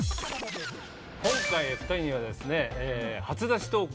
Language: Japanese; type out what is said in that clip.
今回２人はですね。